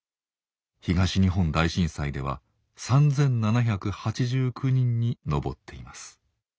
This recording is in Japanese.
東日本大震災では３，７８９人に上っています。